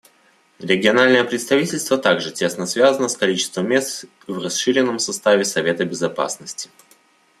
Региональное представительство также тесно связано с количеством мест в расширенном составе Совета Безопасности.